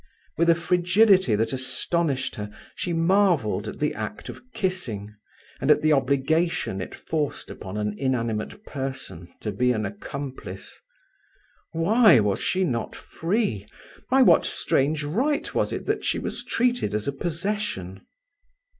With a frigidity that astonished her, she marvelled at the act of kissing, and at the obligation it forced upon an inanimate person to be an accomplice. Why was she not free? By what strange right was it that she was treated as a possession?